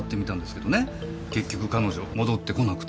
結局彼女戻ってこなくて。